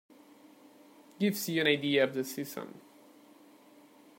Gives you an idea of the season.